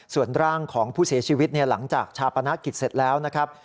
ส่วนร่างของผู้เสียชีวิตหลังจากชาปนกิจเสร็จแล้วนะครับ